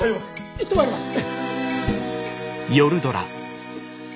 いってまいります。